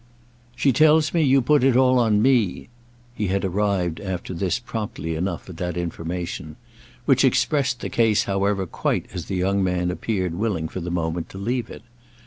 "She tells me you put it all on me"—he had arrived after this promptly enough at that information; which expressed the case however quite as the young man appeared willing for the moment to leave it.